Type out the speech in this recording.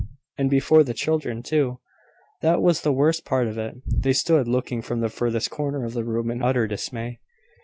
"And before the children, too!" "That was the worst part of it. They stood looking from the furthest corner of the room in utter dismay.